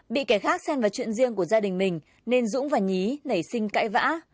bị kẻ khác xem vào chuyện riêng của gia đình mình nên dũng và nhí nảy sinh cãi vã